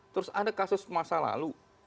terus ada kasus masa lalu